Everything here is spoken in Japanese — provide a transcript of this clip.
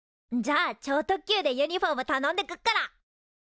じゃあ超特急でユニフォームたのんでっくから。